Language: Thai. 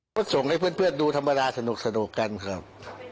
ก็ส่งให้เพื่อนดูธรรมดาสนุกกันครับ